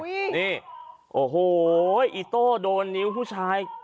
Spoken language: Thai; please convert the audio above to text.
นี่โอ้โหอีโต้โดนนิ้วผู้ชาย